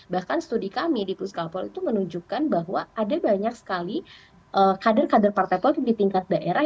bahkan studi kami di puskala polri itu menunjukkan bahwa ada banyak sekali kader kader partai politik di tingkat daerah